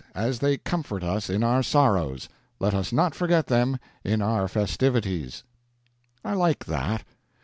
— As they comfort us in our sorrows, let us not forget them in our festivities" I LIKE that.